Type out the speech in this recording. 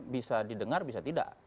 bisa didengar bisa tidak